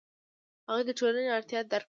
هغوی د ټولنې اړتیا درک کوله.